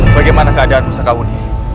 bagaimana keadaanmu sekaun